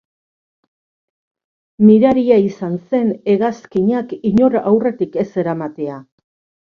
Miraria izan zen hegazkinak inor aurretik ez eramatea.